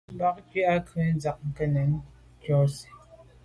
Bwɔ́ŋkə́h à’ghə̀ jʉ́ chàŋ ká nɛ́ɛ̀n nɔɔ́nsí.